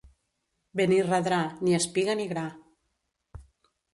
Benirredrà, ni espiga ni gra.